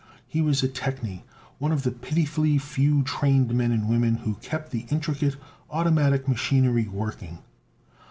He was a technie one of the pitifully few trained men and women who kept the intricate automatic machinery working.